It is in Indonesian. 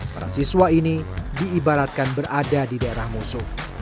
para siswa ini diibaratkan berada di daerah musuh